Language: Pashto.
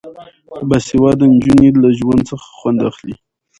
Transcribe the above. باسواده نجونې له ژوند څخه خوند اخلي.